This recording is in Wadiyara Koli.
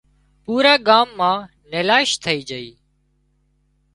پُورا ڳام مان نيلاش ٿئي جھئي